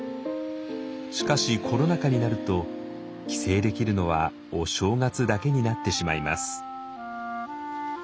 しかしコロナ禍になると帰省できるのはお正月だけになってしまいます。